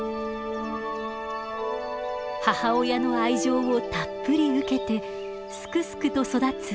母親の愛情をたっぷり受けてすくすくと育つ子供たち。